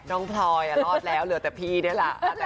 น้องพลอยลอดแล้วเหลือแต่พีแจ้ละ